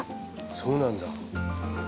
そうなんだ。